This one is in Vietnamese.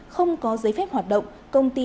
không có giấy phép hoạt động công ty